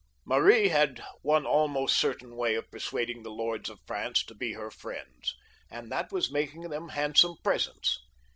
Mary had one almost certain way of persuading the lords of France to be her friends, and that was making them handsome presents.